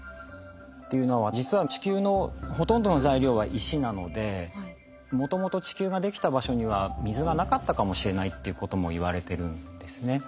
というのは実は地球のほとんどの材料は石なのでもともと地球が出来た場所には水がなかったかもしれないっていうこともいわれてるんですね。